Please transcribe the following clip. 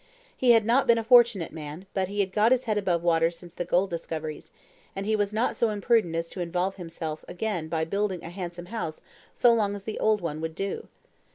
He had not been a fortunate man, but he had got his head above water since the gold discoveries; and he was not so imprudent as to involve himself again by building a handsome house so long as the old one would do.